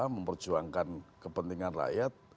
memperjuangkan kepentingan rakyat